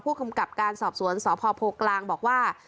กำกับการสอบสวนสพโพกลางบอกว่า